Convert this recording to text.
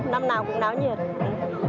năm nào cũng náo nhiệt